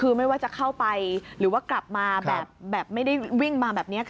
คือไม่ว่าจะเข้าไปหรือว่ากลับมาแบบไม่ได้วิ่งมาแบบนี้